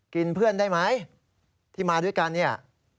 เพื่อนได้ไหมที่มาด้วยกันเนี่ย